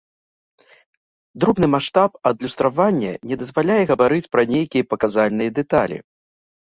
Дробны маштаб адлюстравання не дазваляе гаварыць пра нейкія паказальныя дэталі.